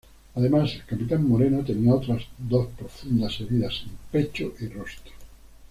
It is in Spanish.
Además el capitán Moreno tenía otras dos profundas heridas en pecho y rostro.